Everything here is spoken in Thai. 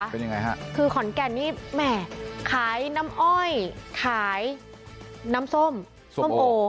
เป็นยังไงฮะคือขอนแก่นนี่แหมขายน้ำอ้อยขายน้ำส้มส้มโอ